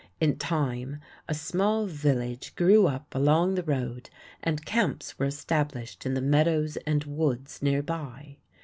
In time a small village grew up along the road and camps were established in the meadows and woods near by.